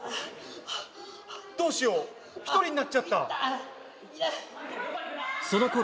どうしよう、１人になっちゃった。